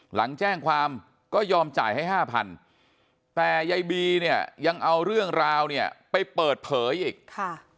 หลังแจ้งความก็ยอมจ่ายให้ห้าพันแต่ยายบีเนี่ยยังเอาเรื่องราวเนี่ยไปเปิดเผยอีกค่ะ